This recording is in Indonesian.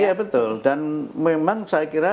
iya betul dan memang saya kira